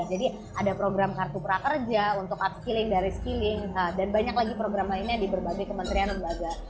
jadi ada program kartu prakerja untuk upskilling dari skilling dan banyak lagi program lainnya di berbagai kementerian lembaga